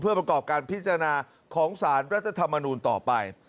เพื่อประกอบการพิจารณาของสารรัฐธรรมนูลต่อไป